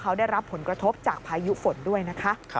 เขาได้รับผลกระทบจากพายุฝนด้วยนะคะ